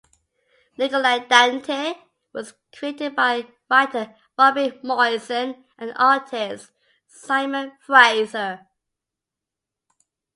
"Nikolai Dante" was created by writer Robbie Morrison and artist Simon Fraser.